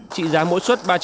trị giá một triệu đồng